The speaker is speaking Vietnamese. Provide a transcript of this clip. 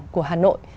của hà nội